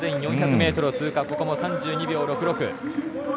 ３４００ｍを通過、ここは３２秒６６。